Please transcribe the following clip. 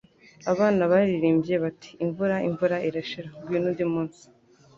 Abana baririmbye bati: "Imvura, imvura irashira. Ngwino undi munsi."